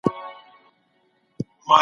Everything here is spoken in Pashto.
د بشر ټول غړي ګډ ژوند ته اړتیا لري.